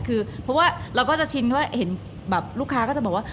คือเพราะว่าเราก็จะชินว่าเห็นแบบลูกค้าก็จะบอกว่า